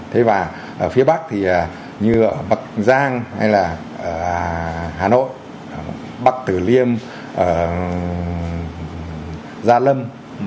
thế và ở phía bắc thì như ở bậc giang hay là hà nội bắc tử liêm gia lâm